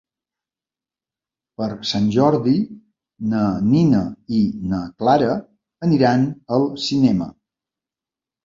Per Sant Jordi na Nina i na Clara aniran al cinema.